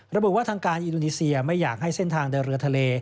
ระบุว่าทางการอินโดนีเซียไม่อยากให้เส้นทางเดินเรือทะเล